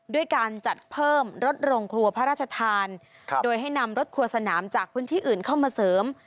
ด้วยการจัดเพิ่มรถโรงครัวพระราชทานโดยให้นำรถครัวสนามจากพื้นที่อื่นเข้ามาเสริม